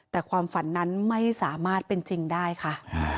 แต่ความฝันนั้นไม่สามารถเป็นจริงได้ค่ะ